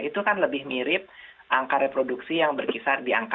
itu kan lebih mirip angka reproduksi yang berkisar di angka